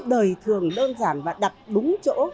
đời thường đơn giản và đặt đúng chỗ